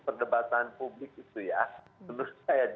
perdebatan publik itu ya